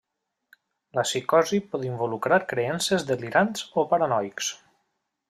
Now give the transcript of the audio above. La psicosi pot involucrar creences delirants o paranoics.